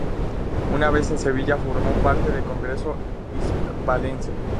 Una vez en Sevilla formó parte del Congreso Hispalense.